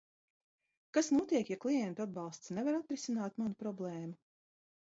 Kas notiek, ja klientu atbalsts nevar atrisināt manu problēmu?